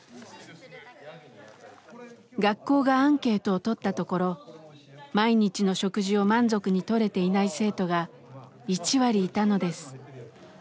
学校がアンケートをとったところ毎日の食事を満足にとれていない生徒が１割いたのです。